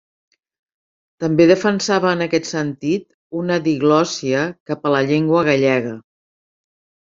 També defensava en aquest sentit una diglòssia cap a la llengua gallega.